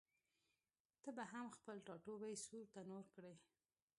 ته به هم خپل ټاټوبی سور تنور کړې؟